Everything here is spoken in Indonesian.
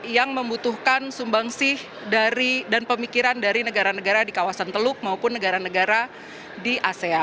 yang membutuhkan sumbangsih dan pemikiran dari negara negara di kawasan teluk maupun negara negara di asean